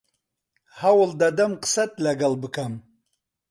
هەوڵ دەدەم قسەت لەگەڵ بکەم.